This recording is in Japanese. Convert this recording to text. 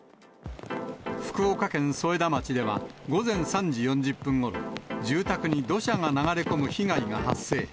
福岡県添田町では、午前３時４０分ごろ、住宅に土砂が流れ込む被害が発生。